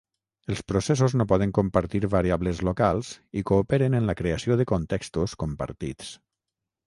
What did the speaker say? Els processos no poden compartir variables "locals" i cooperen en la creació de contextos compartits.